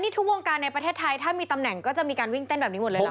ทุกวงการในประเทศไทยถ้ามีตำแหน่งก็จะมีการวิ่งเต้นแบบนี้หมดเลยเหรอ